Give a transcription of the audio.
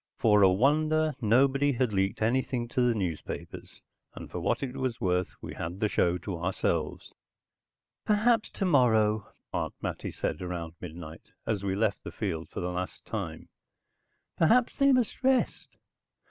For a wonder, nobody had leaked anything to the newspapers, and for what it was worth, we had the show to ourselves. "Perhaps tomorrow," Aunt Mattie said around midnight, as we left the field for the last time. "Perhaps they must rest."